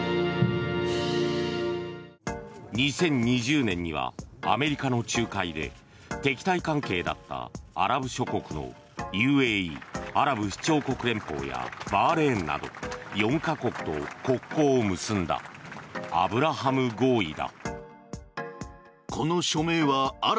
２０２０年にはアメリカの仲介で敵対関係だったアラブ諸国のＵＡＥ・アラブ首長国連邦やバーレーンなど４か国と国交を結んだアブラハム合意だ。